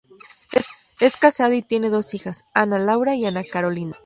Es casado y tiene dos hijas, Ana Laura y Ana Carolina.